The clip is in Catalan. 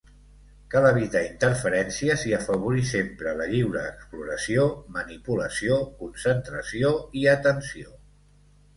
Cal evitar interferències i afavorir sempre la lliure exploració, manipulació, concentració i atenció.